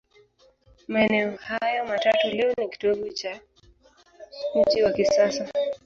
Maeneo hayo matatu leo ni kitovu cha mji wa kisasa.